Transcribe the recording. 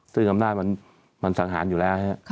ซึ่งอำนาจมันสังหารอยู่แล้ว